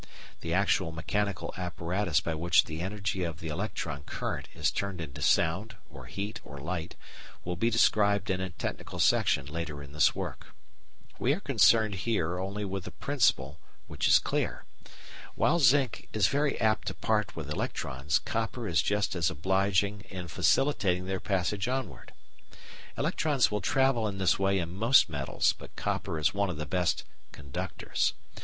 The actual mechanical apparatus by which the energy of the electron current is turned into sound, or heat, or light will be described in a technical section later in this work. We are concerned here only with the principle, which is clear. While zinc is very apt to part with electrons, copper is just as obliging in facilitating their passage onward. Electrons will travel in this way in most metals, but copper is one of the best "conductors."